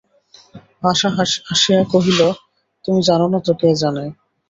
আশা হাসিয়া কহিল, তুমি জান না তো কে জানে।